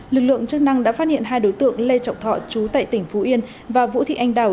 lực lượng chức năng đã phát hiện hai đối tượng lê trọng thọ chú tại tỉnh phú yên và vũ thị anh đào